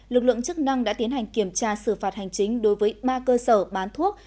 lực lượng chức năng đã tiến hành kiểm tra xử phạt hành chính đối với ba cơ sở bán thuốc